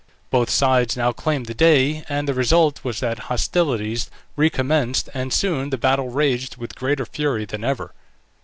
Both sides now claimed the day, and the result was that hostilities recommenced, and soon the battle raged with greater fury than ever.